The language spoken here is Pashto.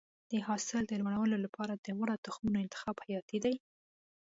د حاصل د لوړوالي لپاره د غوره تخمونو انتخاب حیاتي دی.